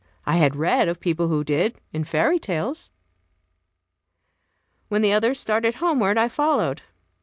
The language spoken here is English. I had read of people who did, in fairy tales. When the others started homeward, I followed.